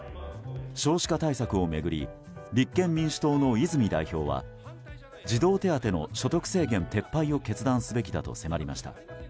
少子化対策を巡り立憲民主党の泉代表は児童手当の所得制限撤廃を決断すべきだと迫りました。